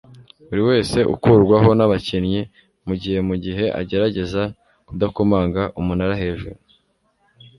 Buriwese Ukurwaho nabakinnyi Mugihe Mugihe ugerageza Kudakomanga umunara hejuru